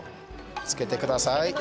つけてください。